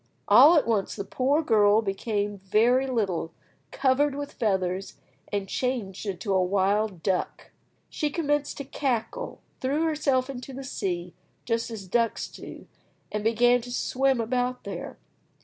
All at once the poor girl became very little, covered with feathers, and changed into a wild duck. She commenced to cackle, threw herself into the sea, just as ducks do, and began to swim about there.